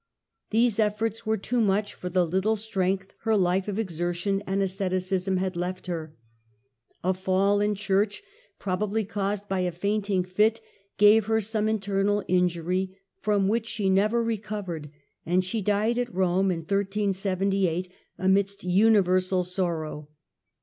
These efforts were too much for the httle strength her Hfe of exertion and ascetism had left her. A fall in church, probably caused by a Death of fainting fit, gave her some internal injury from which Catherine, ^he never recovered, and she died at Eome amidst uni 1378 versal sorrow.